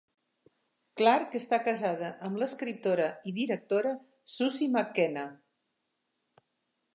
Clarke està casada amb l'escriptora i directora Susie McKenna.